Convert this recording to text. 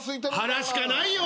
腹しかないよ！